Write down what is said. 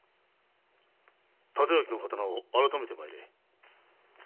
帯刀の刀を改めて参れ。